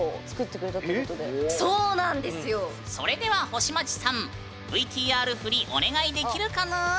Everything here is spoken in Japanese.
それでは星街さんＶＴＲ振りお願いできるかぬん？